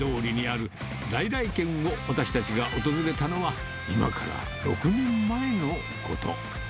駅前通りにある來々軒を私たちが訪れたのは、今から６年前のこと。